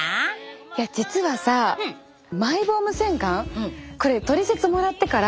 いや実はさマイボーム洗顔これトリセツもらってからやったのね。